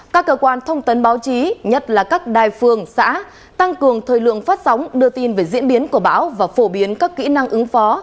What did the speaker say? các cơ quan thông tấn báo chí nhất là các đài phường xã tăng cường thời lượng phát sóng đưa tin về diễn biến của bão và phổ biến các kỹ năng ứng phó